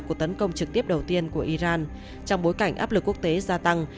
cuộc tấn công trực tiếp đầu tiên của iran trong bối cảnh áp lực quốc tế gia tăng